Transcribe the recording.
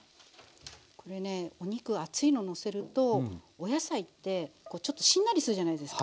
これねお肉熱いののせるとお野菜ってちょっとしんなりするじゃないですか。